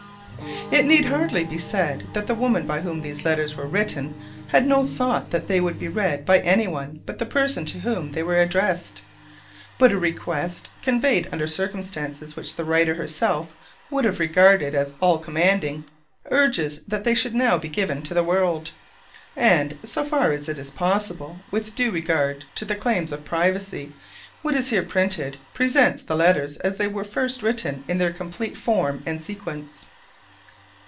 It need hardly be said that the woman by whom these letter were written had no thought that they would be read by anyone but the person to whom they were addressed. But a request, conveyed under circumstances which the writer herself would have regarded as all commanding, urges that they should now be given to the world; and, so far as is possible with a due regard to the claims of privacy, what is here printed presents the letters as they were first written in their complete form and sequence.